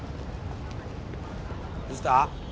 どうした？